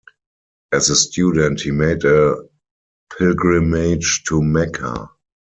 As a student, he made a pilgrimage to Mecca.